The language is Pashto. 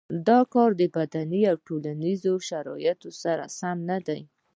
دا کار د بدني او ټولنیزو شرایطو سره مناسب نه دی.